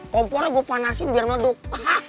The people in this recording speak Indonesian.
kompornya gue panasin biar meduk